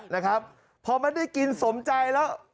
ว่าพอมันได้กินสมใจแล้ว